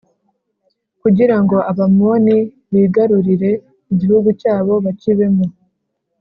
kugira ngo abamoni bigarurire igihugu cyabo bakibemo